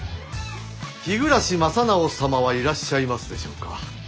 日暮正直様はいらっしゃいますでしょうか？